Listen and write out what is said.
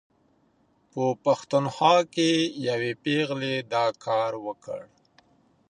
په پښتونخوا کې یوې پېغلې دا کار وکړ.